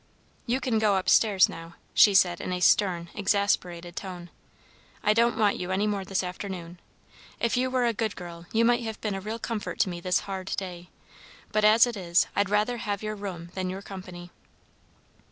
"You can go up stairs now," she said in a stern, exasperated tone. "I don't want you any more this afternoon. If you were a good girl, you might have been a real comfort to me this hard day, but as it is, I'd rather have your room than your company."